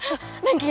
kamu punya ukuran